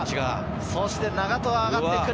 そして永戸が上がってくる。